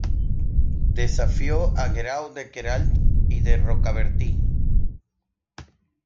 Desafió a Guerau de Queralt y de Rocabertí.